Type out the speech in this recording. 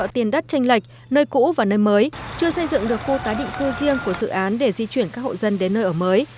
thành phố tái định cư riêng của dự án để di chuyển các hội dân đến nơi ở mới